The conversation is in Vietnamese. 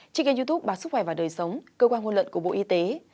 trên kênh youtube bác sức khỏe và đời sống cơ quan ngôn luận của bộ y tế